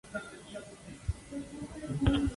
La Neuville-sur-Ressons